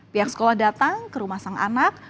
pihak sekolah datang ke rumah sang anak